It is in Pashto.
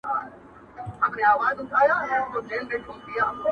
ما لیدلې د قومونو په جرګو کي٫